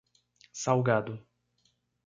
Salgado